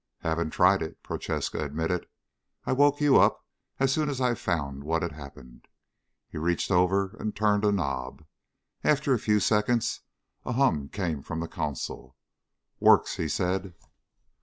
"Haven't tried it," Prochaska admitted. "I woke you up as soon as I found what had happened." He reached over and turned a knob. After a few seconds a hum came from the console. "Works," he said.